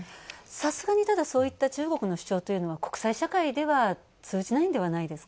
さすがに、そういった中国の主張というのは国際社会では通じないんではないですか？